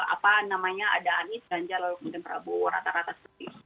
apa namanya ada anies ganja lalu kemudian prabowo rata rata seperti itu